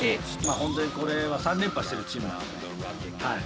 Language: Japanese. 本当にこれは３連覇してるチームなんでね。